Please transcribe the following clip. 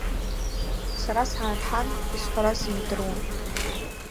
Сара сгӏархӏан – йсхӏвара сымдыруа.